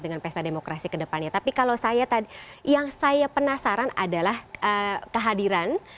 dengan pesta demokrasi kedepannya tapi kalau saya tadi yang saya penasaran adalah kehadiran